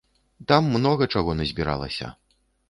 Там многа чаго назбіралася.